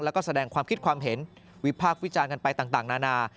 แล้วก็แสดงความคิดความเห็นวิพากษ์วิจารณ์กันไปต่างนานา